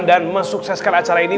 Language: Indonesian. dan mesukseskan acara ini